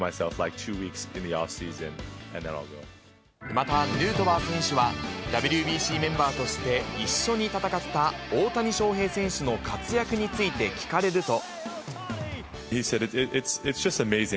また、ヌートバー選手は、ＷＢＣメンバーとして一緒に戦った大谷翔平選手の活躍について聞かれると。